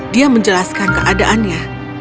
dia menjelaskan keadaannya